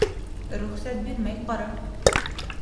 Рөхсәт бирмәй ҡара!